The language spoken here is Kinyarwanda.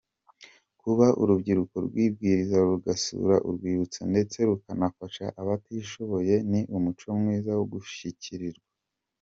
Kuba urubyiruko rwibwiriza rugasura urwibutso ndetse rukanafasha abatishoboye ni umuco mwiza wo gushyigikirwa.